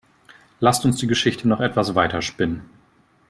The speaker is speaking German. Lasst uns die Geschichte noch etwas weiter spinnen.